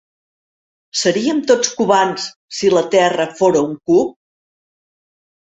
Seríem tots cubans, si la terra fóra un cub?